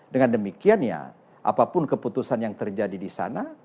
dengan demikian ya apapun keputusan yang terjadi di sana